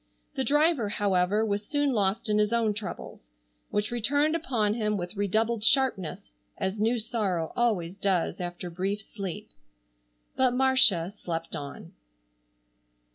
The driver, however, was soon lost in his own troubles, which returned upon him with redoubled sharpness as new sorrow always does after brief sleep. But Marcia slept on.